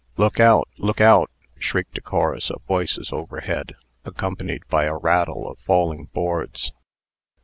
"Look out! look out!" shrieked a chorus of voices overhead, accompanied by a rattle of falling boards.